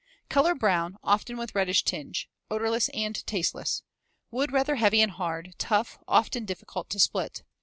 Color brown, often with reddish tinge. Odorless and tasteless. Wood rather heavy and hard, tough, often difficult to split.